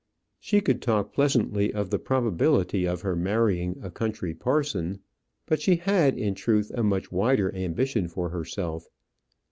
She could talk pleasantly of the probability of her marrying a country parson; but she had, in truth, a much wider ambition for herself.